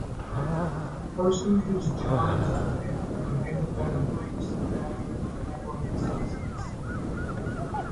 a person whose job is to fit and repair water pipes, bathroom apparatus, etc